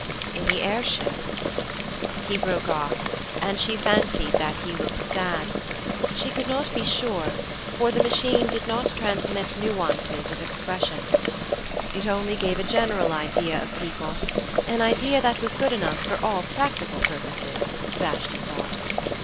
'In the air ship ' He broke off, and she fancied that he looked sad. She could not be sure, for the Machine did not transmit nuances of expression. It only gave a general idea of people an idea that was good enough for all practical purposes, Vashti thought.